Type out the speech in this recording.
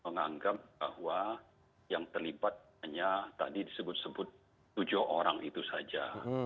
menganggap bahwa yang terlibat hanya tadi disebut sebut tujuh orang itu saja